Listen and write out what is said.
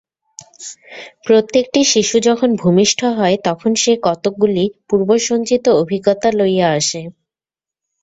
প্রত্যেকটি শিশু যখন ভূমিষ্ঠ হয়, তখন সে কতকগুলি পূর্বসঞ্চিত অভিজ্ঞতা লইয়া আসে।